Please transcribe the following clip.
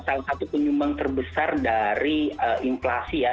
salah satu penyumbang terbesar dari inflasi ya